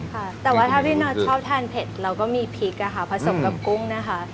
ค่ะแต่ว่าถ้าพี่น็อตชอบทานเผ็ดเราก็มีพริกอะค่ะผสมกับกุ้งนะคะ